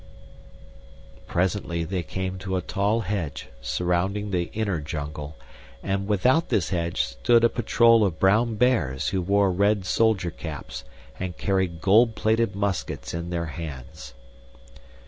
Presently they came to a tall hedge surrounding the Inner Jungle, and without this hedge stood a patrol of brown bears who wore red soldier caps and carried gold plated muskets in their hands.